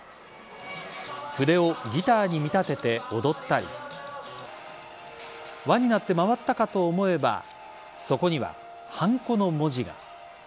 筆をギターに見立てて踊ったり輪になって回ったかと思えばそこにははんこの文字が。